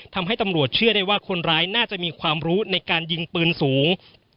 ทำให้ตำรวจเชื่อได้ว่าคนร้ายน่าจะมีความรู้ในการยิงปืนสูง